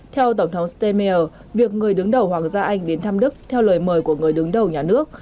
theo tổng thống stemmeier việc người đứng đầu hoàng gia anh đến thăm đức theo lời mời của người đứng đầu nhà nước